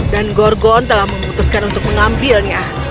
gorgon telah memutuskan untuk mengambilnya